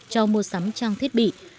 cho mua sắm trang thiết bị